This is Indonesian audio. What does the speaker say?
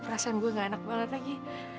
perasaan gue gak enak banget lagi